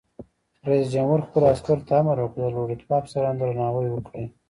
رئیس جمهور خپلو عسکرو ته امر وکړ؛ د لوړ رتبه افسرانو درناوی وکړئ!